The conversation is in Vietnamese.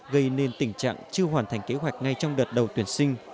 gây nên tình trạng chưa hoàn thành kế hoạch ngay trong đợt đầu tuyển sinh